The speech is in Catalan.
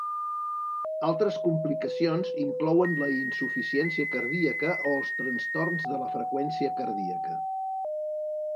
Altres complicacions inclouen la insuficiència cardíaca, o els trastorns de la freqüència cardíaca.